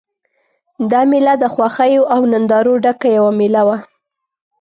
دا مېله د خوښیو او نندارو ډکه یوه مېله وه.